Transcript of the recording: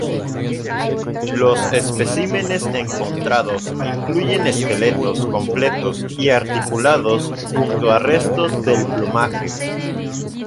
Los especímenes encontrados incluyen esqueletos completos y articulados junto a restos del plumaje.